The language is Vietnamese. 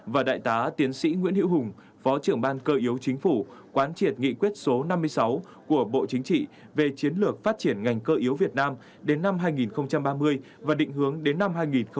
và đại tá tiến sĩ nguyễn hiễu hùng phó trưởng ban cơ yếu chính phủ quán triệt nghị quyết số năm mươi sáu của bộ chính trị về chiến lược phát triển ngành cơ yếu việt nam đến năm hai nghìn ba mươi và định hướng đến năm hai nghìn bốn mươi